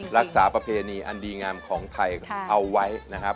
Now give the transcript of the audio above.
ประเพณีอันดีงามของไทยเอาไว้นะครับ